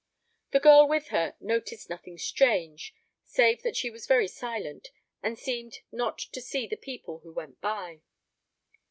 The girl with her noticed nothing strange, save that she was very silent, and seemed not to see the people who went by.